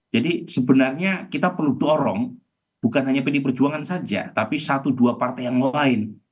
jadi sebenarnya kita perlu dorong bukan hanya pd perjuangan saja tapi satu dua partai yang lain